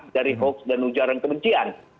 dari hoax dan ujaran kebencian